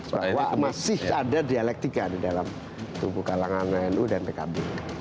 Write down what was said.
bahwa masih ada dialektika di dalam tubuh kalangan nu dan pkb